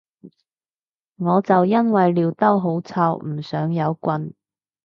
我就因為尿兜好臭唔想有棍